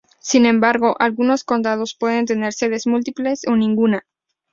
Sin embargo, algunos condados pueden tener sedes múltiples o ninguna.